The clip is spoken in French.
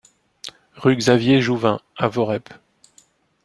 Rue Xavier Jouvin à Voreppe